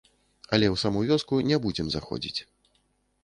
Але ў саму вёску не будзем заходзіць.